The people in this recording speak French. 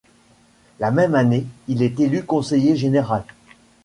La même année, il est élu conseiller général.